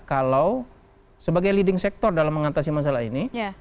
kalau sebagai leading sector dalam mengatasi masalah ini